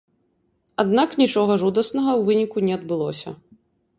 Аднак нічога жудаснага ў выніку не адбылося.